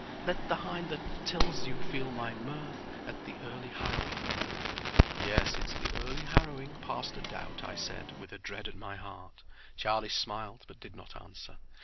Let the hind that tills you feel my mirth At the early harrowing." "Yes, it's the early harrowing, past a doubt," I said, with a dread at my heart. Charlie smiled, but did not answer.